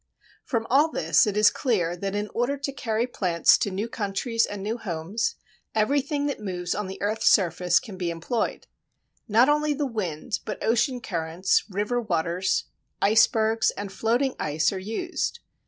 From all this it is clear that in order to carry plants to new countries and new homes, everything that moves on the earth's surface can be employed. Not only the wind, but ocean currents, river waters, icebergs, and floating ice are used.